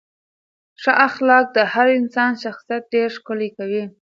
ښه اخلاق د هر انسان شخصیت ډېر ښکلی کوي.